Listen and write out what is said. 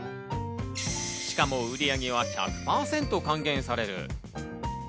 しかも売り上げは１００％還元される。